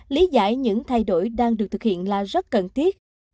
lý giải những thay đổi đang được thực hiện là rất cần thiết